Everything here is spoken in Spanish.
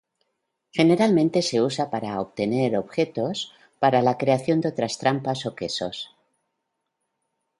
Generalmente se usa para obtener objetos para la creación de otras trampas o quesos.